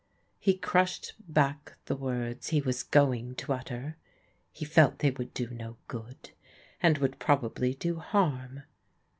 He crushed back the words he was going to utter. He fdt they would do no good, and would probably do harm.